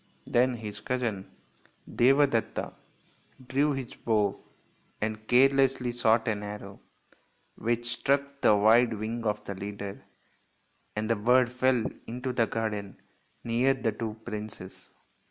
Then his cousin, Deva detta, drew his bow and carelessly shot an arrow, which struck the wide wing of the leader, and the bird fell into the garden near the two princes.